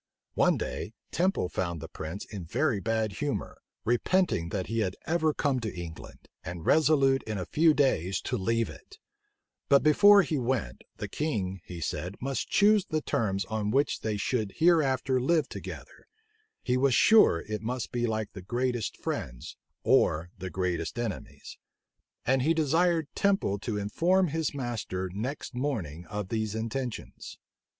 One day, Temple found the prince in very bad humor, repenting that he had ever come to England, and resolute in a few days to leave it: but before he went, the king, he said, must choose the terms on which they should hereafter live together: he was sure it must be like the greatest friends or the greatest enemies: and he desired Temple to inform his master next morning of these intentions.